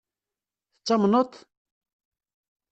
Tettamneḍ-t?